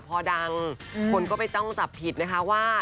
พอดังคนก็ไปเจ้าหวัญภิตนะคะว่า